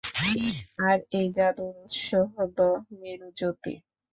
আর এই জাদুর উৎস হলো মেরুজ্যোতি।